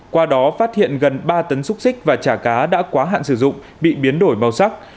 qua đó phát hiện gần ba tấn xúc xích và chả cá đã quá hạn sử dụng bị biến đổi màu sắc